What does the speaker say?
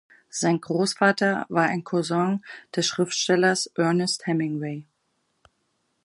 Sein Großvater war ein Cousin des Schriftstellers Ernest Hemingway.